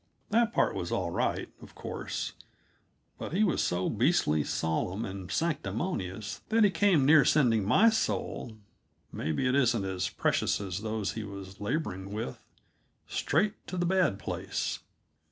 That part was all right, of course; but he was so beastly solemn and sanctimonious that he came near sending my soul maybe it isn't as precious as those he was laboring with straight to the bad place.